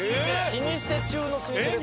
老舗中の老舗です。